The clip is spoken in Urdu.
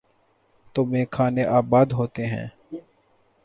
تو میخانے آباد ہوتے ہیں۔